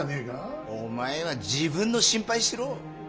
お前は自分の心配しろ。